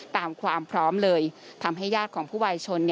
ตามความพร้อมเลยทำให้ญาติของผู้วายชน